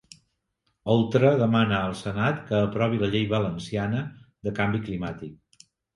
Oltra demana al senat que aprovi la llei valenciana de canvi climàtic